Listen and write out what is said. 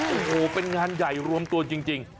โอ้โหเป็นงานใหญ่รวมตัวจริง